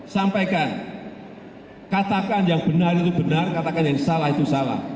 sampaikan katakan yang benar itu benar katakan yang salah itu salah